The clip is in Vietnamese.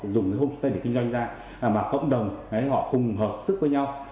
dùng cái hôn xe để kinh doanh ra mà cộng đồng họ cùng hợp sức với nhau